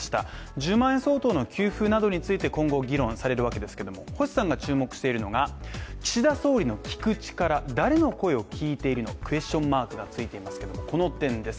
１０万円相当の給付などについて今後議論されるわけですけども、星さんが注目しているのが岸田総理の聞く力、誰の声を聞いているのクエスチョンマークがついていますけども、この点です。